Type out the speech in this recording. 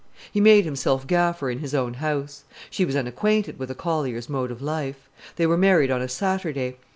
He made himself gaffer in his own house. She was unacquainted with a collier's mode of life. They were married on a Saturday.